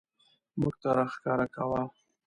موږ ته راښکاره کاوه.